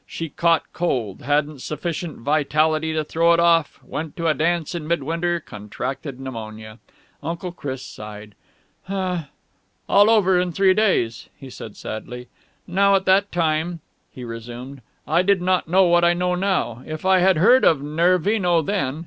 She caught cold, hadn't sufficient vitality to throw it off, went to a dance in mid winter, contracted pneumonia...." Uncle Chris sighed. "All over in three days," he said sadly. "Now at that time," he resumed, "I did not know what I know now. If I had heard of Nervino then...."